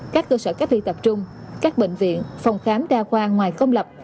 các cơ sở cấp thi tập trung các bệnh viện phòng khám đa khoa ngoài công lập